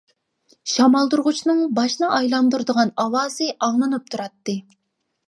شامالدۇرغۇچنىڭ باشنى ئايلاندۇرىدىغان ئاۋازى ئاڭلىنىپ تۇراتتى.